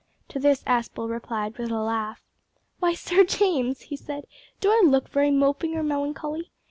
To this Aspel replied with a laugh. "Why, Sir James," he said, "do I look very moping or melancholy?